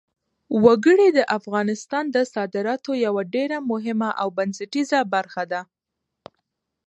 وګړي د افغانستان د صادراتو یوه ډېره مهمه او بنسټیزه برخه ده.